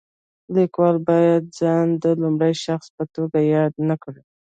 لیکوال باید ځان د لومړي شخص په توګه یاد نه کړي.